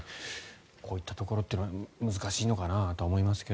こういったところっていうのは難しいのかなとは思いますが。